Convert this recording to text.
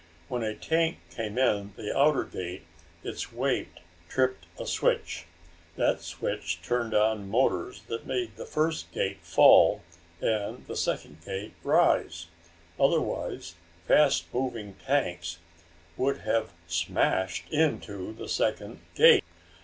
When a tank came in the outer gate its weight tripped a switch. That switched turned on motors that made the first gate fall and the second rise. Otherwise fast moving tanks would have smashed into the second gate.